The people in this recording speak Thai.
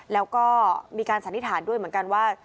แล้วก็มีการสันนิษฐานด้วยเหมือนกันว่า